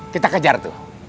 kita kejar tuh